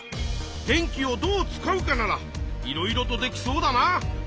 「電気をどう使うか」ならいろいろとできそうだな。